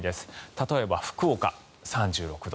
例えば福岡、３６度。